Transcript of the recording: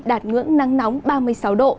đạt ngưỡng nắng nóng ba mươi sáu độ